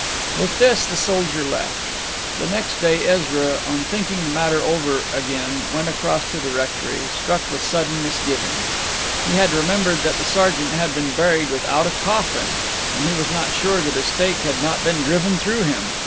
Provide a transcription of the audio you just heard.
With this the soldier left. The next day Ezra, on thinking the matter over, again went across to the rectory, struck with sudden misgiving. He had remembered that the sergeant had been buried without a coffin, and he was not sure that a stake had not been driven through him.